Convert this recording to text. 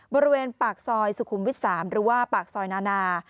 บริเวณปากซอยสุขุมวิท๓หรือว่าปากซอยนานา